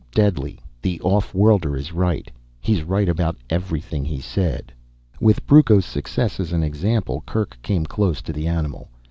Deadly. The off worlder is right. He's right about everything he said." With Brucco's success as an example, Kerk came close to the animal.